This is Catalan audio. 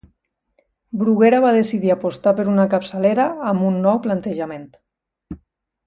Bruguera va decidir apostar per una capçalera amb un nou plantejament.